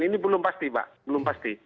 ini belum pasti pak belum pasti